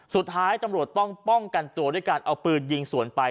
สุดท้ายตำรวจต้องป้องกันตัวด้วยการเอาปืนยิงสวนไป